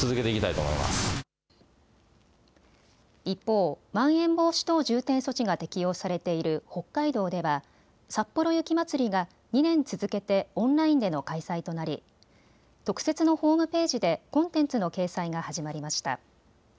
一方、まん延防止等重点措置が適用されている北海道ではさっぽろ雪まつりが２年続けてオンラインでの開催となり特設のホームページでコンテンツの掲載が始まりました。